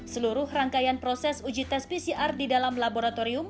seluruh rangkaian proses uji tes pcr di dalam laboratorium